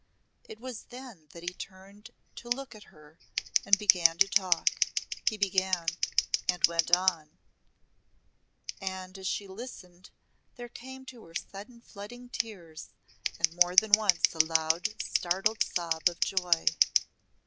It was then that he turned to look at her and began to talk. He began and went on and as she listened there came to her sudden flooding tears and more than once a loud startled sob of joy.